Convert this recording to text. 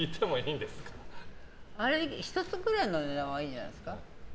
１つくらいの値段はいいんじゃないですか。